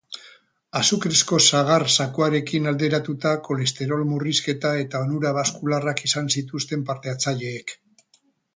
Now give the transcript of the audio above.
Azukrezko sagar zukuarekin alderatuta, kolesterol murrizketa eta onura baskularrak izan zituzten parte-hartzaileek.